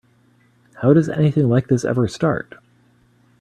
How does anything like this ever start?